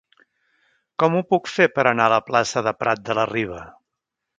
Com ho puc fer per anar a la plaça de Prat de la Riba?